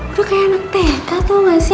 udah kayak anak tk tau gak sih